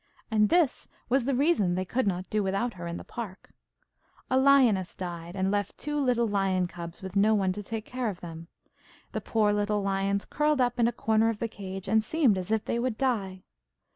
And this was the reason they could not do without her in the park. A lioness died, and left two little lion cubs with no one to take care of them. The poor little lions curled up in a corner of the cage, and seemed as if they would die.